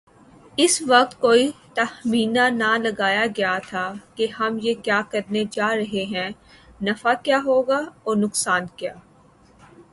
اس وقت کوئی تخمینہ نہ لگایاگیاتھا کہ ہم یہ کیا کرنے جارہے ہیں‘ نفع کیا ہوگا اورنقصان کیا۔